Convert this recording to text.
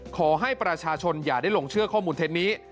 ขอให้ประชาชนอย่าได้หลงเชื่อข้อมูลเท็จนี้